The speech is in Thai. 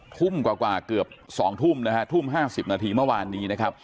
ทุ่มกว่าเกือบ๒ทุ่มนะฮะทุ่ม๕๐นาทีเมื่อวานนี้นะครับ